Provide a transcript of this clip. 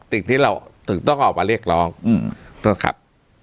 สิ่งที่เราถึงต้องออกมาเรียกร้องนะครับ